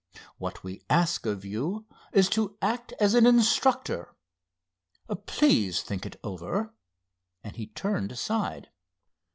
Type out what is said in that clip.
What we ask of you is to act as an instructor. Please think it over," and he turned aside.